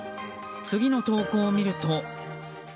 次の投稿を見ると。